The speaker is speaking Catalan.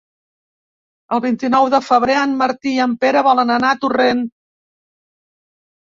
El vint-i-nou de febrer en Martí i en Pere volen anar a Torrent.